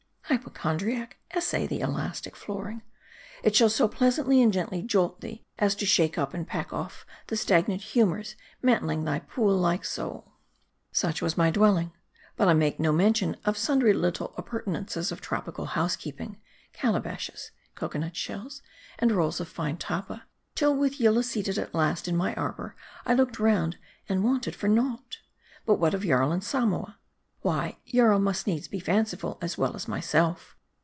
Hypochondriac ! essay the elastic flooring ! It shall M A R D I. 223 so pleasantly and gently jolt thee, as to shake up, and pack off the stagnant humors mantling thy pool like soul. Such was my dwelling. But I make no mention of sundry little appurtenances of tropical housekeeping : cala bashes, cocoanut shells, and rolls of fine tappa ; till with Yillah seated at last in my arbor, I looked round, and wanted for naught. But what of Jarl and Samoa ? Why Jarl must needs be fanciful, as well as myself.